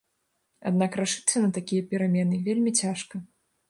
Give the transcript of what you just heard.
Аднак рашыцца на такія перамены вельмі цяжка.